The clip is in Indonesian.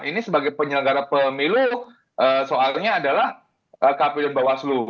ini sebagai penyelenggara pemilu soalnya adalah kpu dan bawaslu